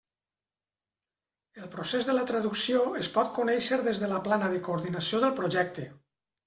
El procés de la traducció es pot conèixer des de la plana de coordinació del projecte.